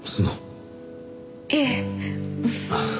ええ。